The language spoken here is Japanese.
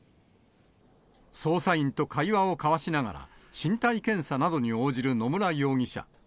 捜査員と会話を交わしながら、身体検査などに応じる野村容疑者。